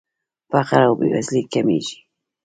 فقر او بېوزلي کمیږي.